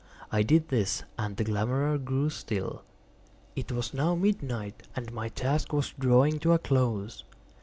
I did this, and the clamorer grew still. It was now midnight, and my task was drawing to a close.